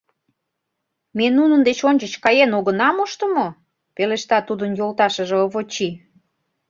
— Ме нунын деч ончыч каен огына мошто мо? — пелешта тудын йолташыже Овочи.